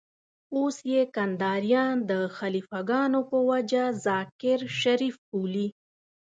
اوس يې کنداريان د خليفه ګانو په وجه ذاکر شريف بولي.